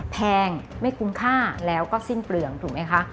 แพงไม่คุ้มค่าแล้วก็สิ้นเปลืองถูกไหมคะ